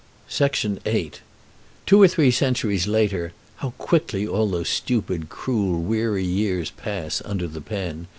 VIII Two or three centuries later how quickly all those stupid, cruel, weary years pass under the pen!